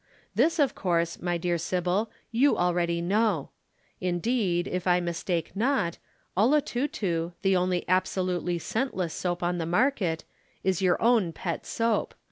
This of course, my dear Sybil, you already know. Indeed, if I mistake not, "Olotutu," the only absolutely scentless soap in the market, is your own pet soap.